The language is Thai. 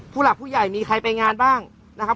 ผู้หลักผู้ใหญ่มีใครไปงานบ้างนะครับ